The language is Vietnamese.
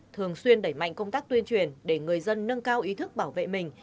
thường xuyên đẩy mạnh công tác tuyên truyền để người dân nâng cao ý thức bảo vệ mình